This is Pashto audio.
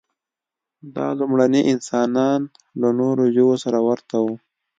دا لومړني انسانان له نورو ژوو سره ورته وو.